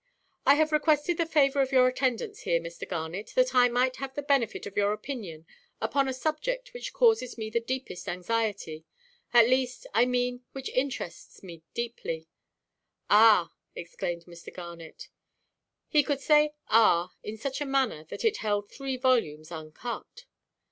"I have requested the favour of your attendance here, Mr. Garnet, that I might have the benefit of your opinion upon a subject which causes me the very deepest anxiety—at least, I mean, which interests me deeply." "Ah!" exclaimed Mr. Garnet: he could say "ah!" in such a manner that it held three volumes uncut.